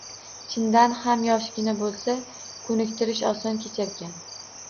Chindan ham, yoshgina bo`lsa, ko`niktirish oson kecharkan